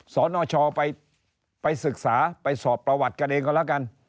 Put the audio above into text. สนชไปศึกษาไปสอบประวัติกันเองก็แล้วกัน